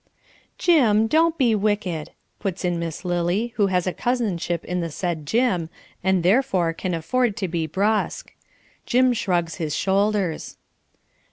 "Jim, don't be wicked," puts in Miss Lily who has a cousinship in the said Jim, and therefore can afford to be brusque. Jim shrugs his shoulders.